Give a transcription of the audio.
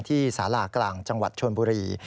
สารากลางจังหวัดชนบุรี